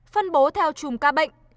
phân bố theo chùm ca bệnh